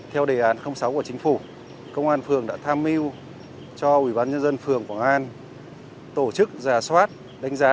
theo đề án sáu của chính phủ công an phường đã tham mưu cho ủy ban nhân dân phường quảng an tổ chức giả soát đánh giá